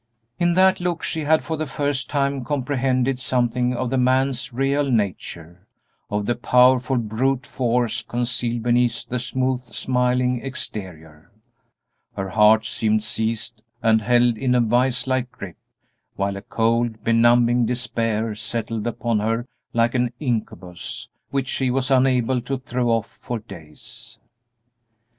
In that look she had for the first time comprehended something of the man's real nature, of the powerful brute force concealed beneath the smooth, smiling exterior. Her heart seemed seized and held in a vise like grip, while a cold, benumbing despair settled upon her like an incubus, which she was unable to throw off for days.